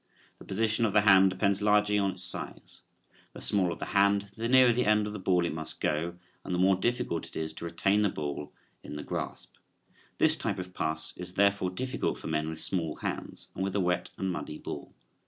The position of the hand depends largely on its size. The smaller the hand the nearer the end of the ball it must go and the more difficult it is to retain the ball in the grasp. This type of pass is therefore difficult for men with small hands and with a wet and muddy ball.